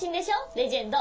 レジェンド。